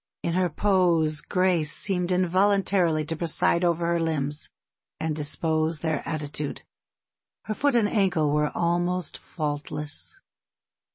In her pose grace seemed involuntarily to preside over her limbs and dispose their attitude. Her foot and ankle were almost faultless."